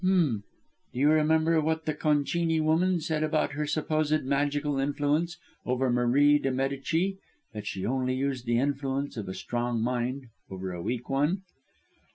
"H'm. Do you remember what the Concini woman said about her supposed magical influence over Marie de Medici: that she only used the influence of a strong mind over a weak one?"